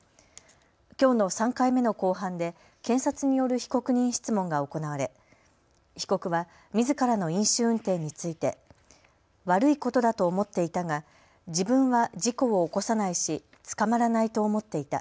きょうの３回目の公判で検察による被告人質問が行われ被告はみずからの飲酒運転について悪いことだと思っていたが自分は事故を起こさないし、捕まらないと思っていた。